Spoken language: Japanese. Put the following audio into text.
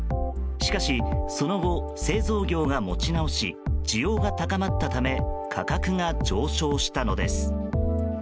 しかしその後、製造業が持ち直し需要が高まったため価格が上昇したのです。